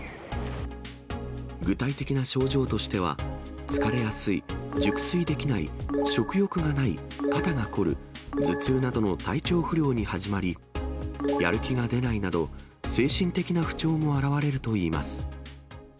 具体的な症状としては、疲れやすい、熟睡できない、食欲がない、肩が凝る、頭痛などの体調不良に始まり、やる気が出ないなど、精神的な不調も現れるといいます。